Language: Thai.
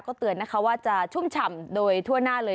ก็เตือนนะคะว่าจะชุ่มฉ่ำโดยทั่วหน้าเลย